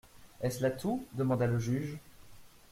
Est-ce là tout ? demanda le juge.